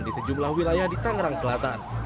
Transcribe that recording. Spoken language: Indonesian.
di sejumlah wilayah di tangerang selatan